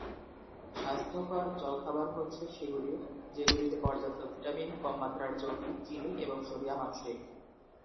স্বাস্থ্যকর জলখাবার হচ্ছে সেগুলি, যেগুলিতে পর্যাপ্ত ভিটামিন, কম মাত্রার চর্বি, চিনি এবং সোডিয়াম আছে।